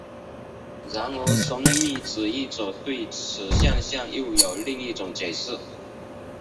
然而神秘主义者对此现象又有另一种解释。